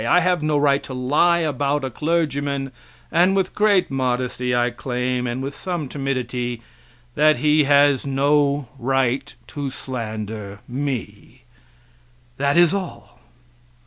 I have no right to lie about a clergyman, and with great modesty I claim and with some timidity that he has no right to slander me that is all.